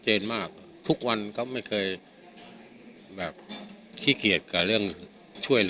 เห็นมาดูรอยดายช่างไกล